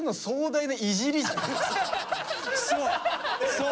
そう！